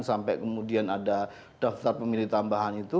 sampai kemudian ada daftar pemilih tambahan itu